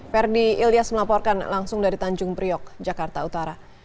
ferdi ilyas melaporkan langsung dari tanjung priok jakarta utara